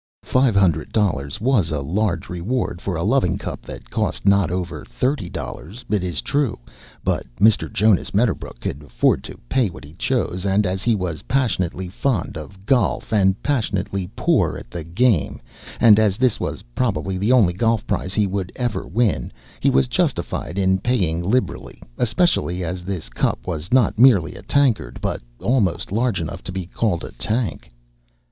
Five hundred dollars was a large reward for a loving cup that cost not over thirty dollars, it is true, but Mr. Jonas Medderbrook could afford to pay what he chose, and as he was passionately fond of golf and passionately poor at the game, and as this was probably the only golf prize he would ever win, he was justified in paying liberally, especially as this cup was not merely a tankard, but almost large enough to be called a tank.